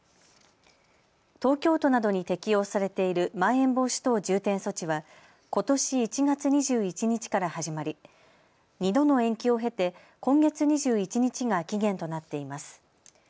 東京都などに適用されているまん延防止等重点措置はことし１月２１日から始まり２度の延期を経て今月２１日が期限となっています。